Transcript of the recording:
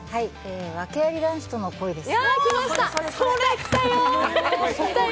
訳あり男子との恋です。